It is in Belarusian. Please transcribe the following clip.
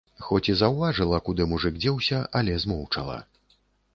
Хоць і заўважыла, куды мужык дзеўся, але змоўчала.